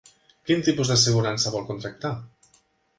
Quin tipus d'assegurança vol contractar?